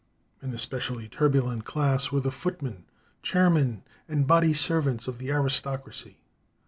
An especially turbulent class were the footmen, chair men, and body servants of the aristocracy.